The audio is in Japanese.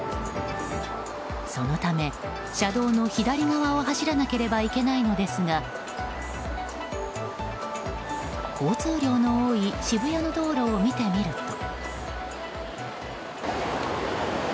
そのため車道の左側を走らなければいけないのですが交通量の多い渋谷の道路を見てみると。